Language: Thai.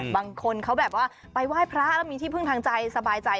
บางคนเขาแบบว่าไปไหว้พระแล้วมีที่พึ่งทางใจสบายใจ